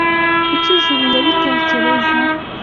Kuki Juru yabitekereza?